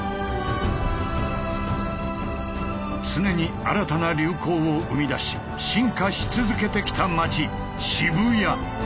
常に新たな流行を生み出し進化し続けてきた街渋谷。